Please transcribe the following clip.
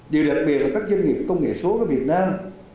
điều đặc biệt là các doanh nghiệp công nghệ số ở việt nam